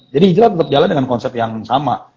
jadi hijrah tetap jalan dengan konsep yang sama